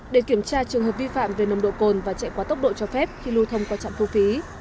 để kiểm tra trường hợp vi phạm về nồng độ cồn và chạy quá tốc độ cho phép khi lưu thông qua trạm thu phí